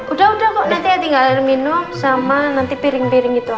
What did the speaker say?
udah udah kok nanti tinggal minum sama nanti piring piring gitu aja